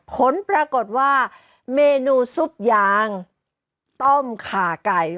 ผลปรากฏว่าเมนูซุปยางต้มขาไก่